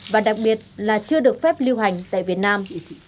và đặc biệt là chưa được phép lưu hành tại việt nam